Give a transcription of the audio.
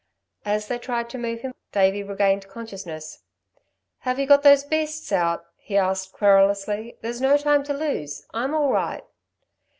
As they tried to move him, Davey regained consciousness. "Have you got those beasts out?" he asked querulously. "There's no time to lose. I'm all right."